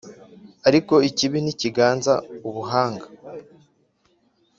ariko ikibi ntikiganza Ubuhanga.